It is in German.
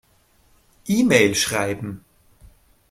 E-Mail schreiben.